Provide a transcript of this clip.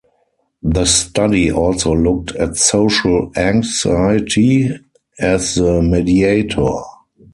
The study also looked at social anxiety as the mediator.